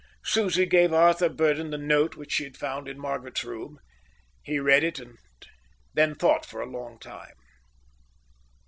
Susie gave Arthur Burdon the note which she had found in Margaret's room. He read it and then thought for a long time.